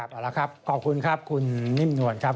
เอาละครับขอบคุณครับคุณนิ่มนวลครับ